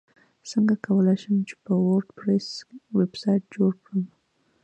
څنګه کولی شم په وردپریس ویبسایټ جوړ کړم